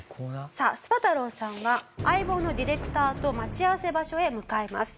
さあスパ太郎さんは相棒のディレクターと待ち合わせ場所へ向かいます。